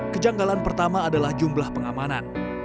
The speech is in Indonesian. kejanggalan pertama adalah jumlah pengamanan